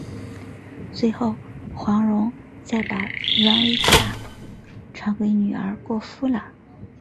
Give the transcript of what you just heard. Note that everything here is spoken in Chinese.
最后黄蓉再把软猬甲传给女儿郭芙了。